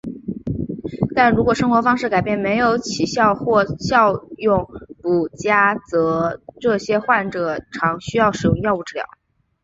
但如果生活方式改变没有起效或效用不佳则这些患者常需要使用药物治疗。